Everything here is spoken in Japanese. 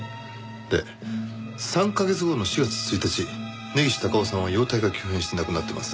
で３カ月後の４月１日根岸隆雄さんは容体が急変して亡くなってます。